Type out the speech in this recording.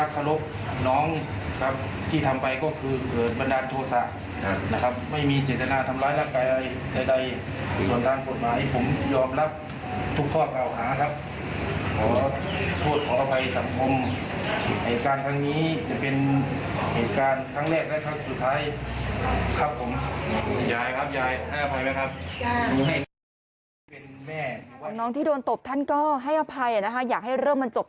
ขอพูดขออภัยสังคม